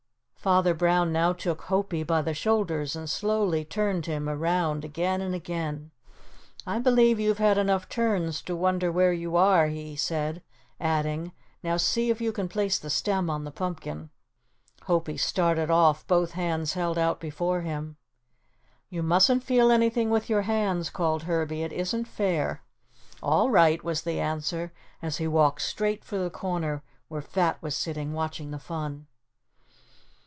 Father Brown now took Hopie by the shoulders and slowly turned him around again and again. "I believe you've had enough turns to wonder where you are," he said, adding, "now see if you can place the stem on the pumpkin." Hopie started off, both hands held out before him. "You musn't feel anything with your hands," called Herbie, "it isn't fair." "All right," was the answer as he walked straight for the corner where Fat was sitting, watching the fun.